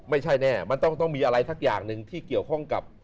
ไม่ใช่แน่มันต้องมีอะไรสักอย่างหนึ่งที่เกี่ยวข้องกับ